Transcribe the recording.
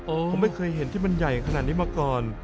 ผมไม่เคยเห็นที่มันใหญ่ขนาดนี้มาก่อน